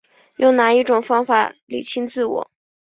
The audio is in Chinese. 用哪一种方法厘清自我